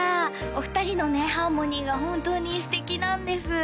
お二人のねハーモニーが本当に素敵なんです